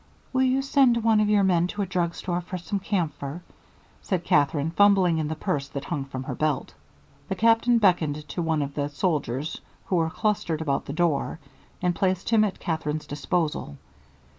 "Will you send one of your men to a drug store for some camphor?" said Katherine, fumbling in the purse that hung from her belt. The Captain beckoned to one of the soldiers who were clustered about the door, and placed him at Katherine's disposal.